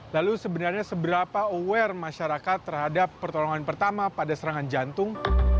lalu sebenarnya seberapa aware masyarakat terhadap pertolongan pertama pada serangan jantung